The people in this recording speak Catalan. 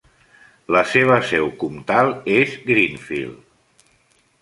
La seva seu comtal és Greenfield.